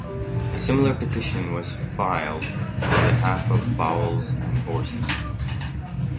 A similar petition was filed on behalf of Bowles and Horsey.